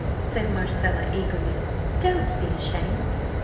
said Marcella, eagerly, "don't be ashamed!